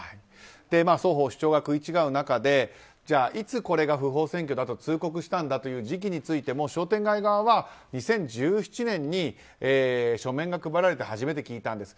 双方主張が食い違う中でじゃあ、いつこれが不法占拠だと通告したんだという時期についても商店街側は２０１７年に書面が配られて初めて聞いたんですと。